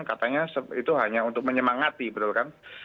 katanya itu hanya untuk menyemangati betul kan